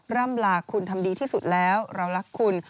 ร่ำลาคุณทำดีที่สุดแล้วเรารักคุณ